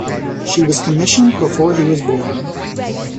She was commissioned before he was born.